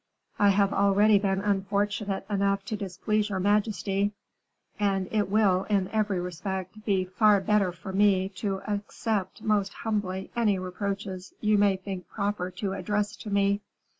I have already been unfortunate enough to displease your majesty, and it will, in every respect, be far better for me to accept most humbly any reproaches you may think proper to address to me."